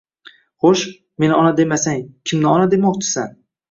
Xo'sh, meni ona demasang kimni ona demoqchisan?